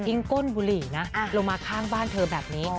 ทิ้งก้นบุหรี่นะอ่าลงมาข้างบ้านเธอแบบนี้อ๋อ